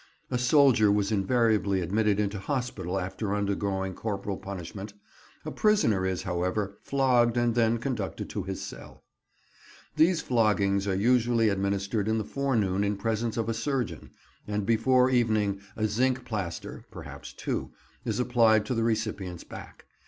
A soldier was invariably admitted into hospital after undergoing corporal punishment; a prisoner is, however, flogged and then conducted to his cell. These floggings are usually administered in the forenoon in presence of a surgeon, and before evening a zinc plaster—perhaps two—is applied to the recipient's back.